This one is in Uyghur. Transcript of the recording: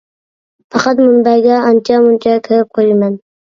پەقەت مۇنبەرگە ئانچە مۇنچە كىرىپ قويىمەن.